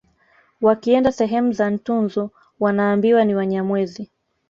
Wakienda sehemu za Ntunzu wanaambiwa ni Wanyamwezi